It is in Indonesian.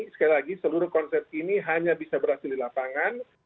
sekali lagi seluruh konsep ini hanya bisa berhasil di lapangan